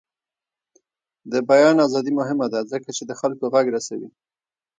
د بیان ازادي مهمه ده ځکه چې د خلکو غږ رسوي.